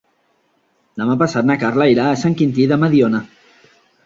Demà passat na Carla irà a Sant Quintí de Mediona.